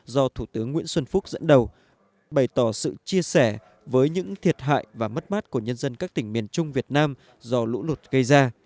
do thủ tướng nguyễn xuân phúc dẫn đầu bày tỏ sự chia sẻ với những thiệt hại và mất mát của nhân dân các tỉnh miền trung việt nam do lũ lụt gây ra